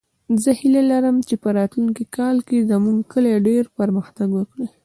زه هیله لرم چې په راتلونکې کال کې زموږ کلی ډېر پرمختګ وکړي